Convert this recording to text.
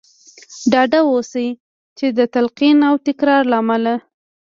ډاډه اوسئ چې د تلقين او تکرار له امله.